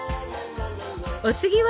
お次は？